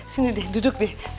sini deh duduk deh